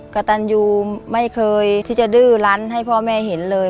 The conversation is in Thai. กระตันยูไม่เคยที่จะดื้อลั้นให้พ่อแม่เห็นเลย